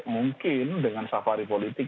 mungkin dengan safari politik